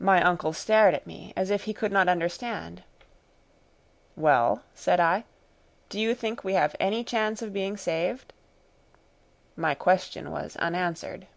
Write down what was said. My uncle stared at me as if he could not understand. "Well," said I, "do you think we have any chance of being saved?" My question was unanswered.